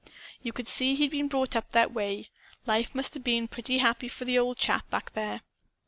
You could see he'd been brought up that way. Life must 'a' been pretty happy for the old chap, back there.